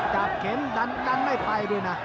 จับเข็นดันไม่ไปด้วยนะ